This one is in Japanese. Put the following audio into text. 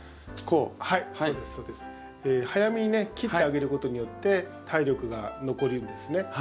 早めにね切ってあげることによって体力が残るんですね。